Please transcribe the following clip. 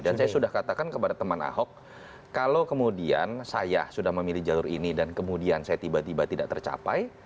dan saya sudah katakan kepada teman ahok kalau kemudian saya sudah memilih jalur ini dan kemudian saya tiba tiba tidak tercapai